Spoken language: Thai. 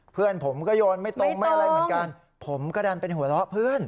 เพื่อนผมก็โยนไม่ตรงไม่อะไรเหมือนกันผมก็ดันเป็นหัวเราะเพื่อน